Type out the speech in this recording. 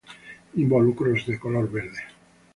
Involucros de color verde.